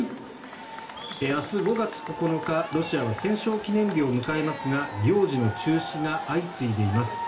明日５月９日ロシアは戦勝記念日を迎えますが行事の中止が相次いでいます。